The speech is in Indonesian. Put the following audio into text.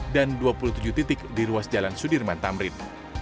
dan dua puluh tujuh titik di ruas jalan sudirman tamrin